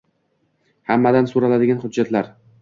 Hammadan so‘raladigan xujjatlar: